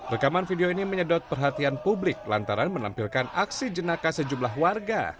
rekaman video ini menyedot perhatian publik lantaran menampilkan aksi jenaka sejumlah warga